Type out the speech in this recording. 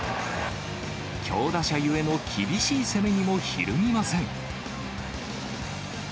強打者ゆえの厳しい攻めにもひるみません。